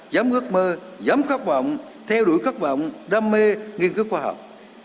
giám ước mơ giám khắc mộng theo đuổi khắc mộng đam mê nghiên cứu khoa học